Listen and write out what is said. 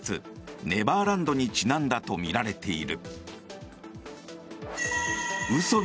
ネバーランドにちなんだとみられている。